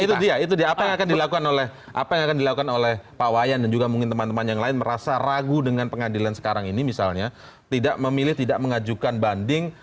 itu dia itu dia apa yang dilakukan oleh apa yang akan dilakukan oleh pak wayan dan juga mungkin teman teman yang lain merasa ragu dengan pengadilan sekarang ini misalnya tidak memilih tidak mengajukan banding